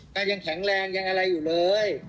ยังแข็งแรงยังอะไรอยู่เลย